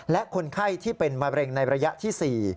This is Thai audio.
และคนไข้ที่เป็นมะเร็งในระยะที่๔